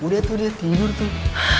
udah tuh dia tidur tuh